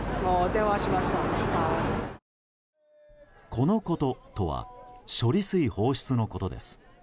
このこととは処理水放出のことです。